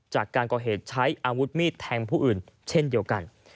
จากการก่อเหตุใช้อาวุธมีดแทงผู้อื่นเช่นเดียวกัน